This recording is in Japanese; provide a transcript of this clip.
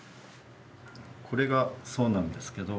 これがそうなんですけど。